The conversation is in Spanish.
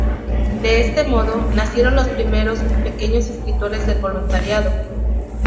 De este modo, nacieron los primeros "pequeños escritores" del voluntariado.